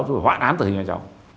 chú phải hoạn án tử hình cho cháu